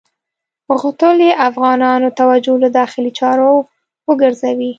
غوښتل یې افغانانو توجه له داخلي چارو وګرځوي.